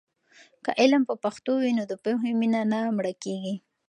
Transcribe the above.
که علم په پښتو وي، نو د پوهې مینه نه مړه کېږي.